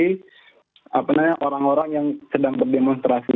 jadi apa namanya orang orang yang sedang berdemonstrasi